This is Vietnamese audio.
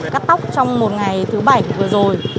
cắt tóc trong một ngày thứ bảy vừa rồi